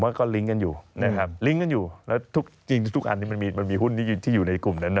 ผมว่าก็ลิงก์กันอยู่แล้วทุกอันนี้มันมีหุ้นที่อยู่ในกลุ่มนั้น